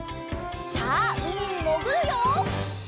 さあうみにもぐるよ！